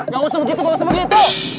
gak usah begitu gak usah begitu